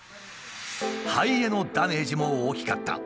肺へのダメージも大きかった。